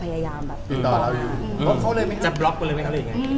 แต่เราทราบมาที่การงานเขาไหมคะ